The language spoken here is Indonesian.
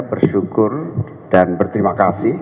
bersyukur dan berterima kasih